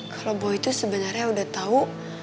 kalau buah itu sebenarnya udah tahu